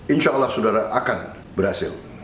insya allah saudara akan berhasil